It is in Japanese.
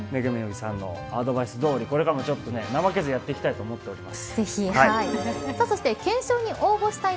さんのアドバイスどおりこれまでも怠けずやっていきたいと思います。